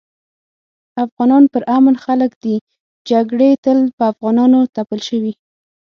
افغانان پر امن خلک دي جګړي تل په افغانانو تپل شوي